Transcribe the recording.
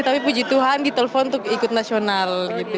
tapi puji tuhan ditelepon untuk ikut nasional